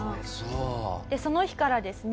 その日からですね